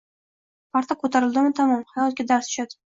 Parda ko‘tarildimi, tamom, hayotga darz tushadi.